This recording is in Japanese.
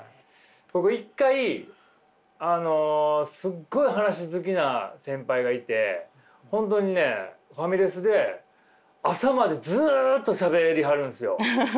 僕一回すっごい話好きな先輩がいて本当にねファミレスで朝までずっとしゃべりはるんですよ。